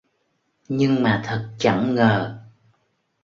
Nhưng mà thật chẳng ngờ